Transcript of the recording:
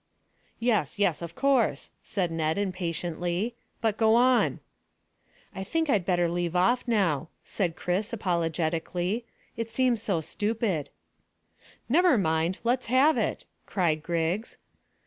"Yes, yes, of course," said Ned impatiently; "but go on." "I think I'd better leave off now," said Chris apologetically; "it seems so stupid." "Never mind; let's have it," cried Griggs.